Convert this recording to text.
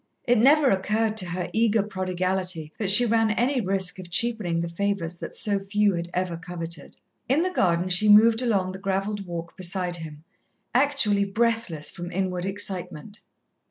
It never occurred to her eager prodigality that she ran any risk of cheapening the favours that so few had ever coveted. In the garden she moved along the gravelled walk beside him, actually breathless from inward excitement.